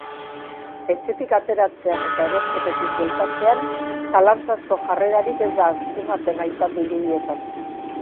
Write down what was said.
Etxetik ateratzean eta erosketekin bueltatzean, zalantzazko jarrerarik ez da antzematen aipatu irudietan.